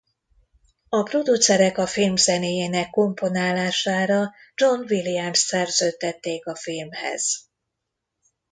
A producerek a film zenéjének komponálására John Williams-t szerződtették a filmhez.